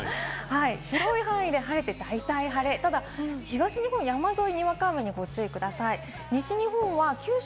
広い範囲で晴れて、ただ東日本、山沿いにわか雨にご注意ください。